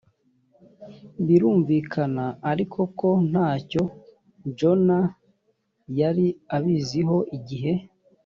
birumvikana ariko ko nta cyo jason yari abiziho igihe